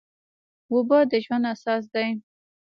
اوبه د ژوند اساس دي.